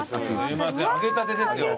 揚げたてですよ。